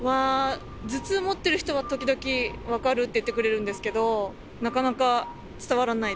頭痛持ってる人は時々分かるって言ってくれるんですけど、な